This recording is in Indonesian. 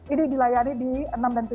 ini dilayani di enam dan tujuh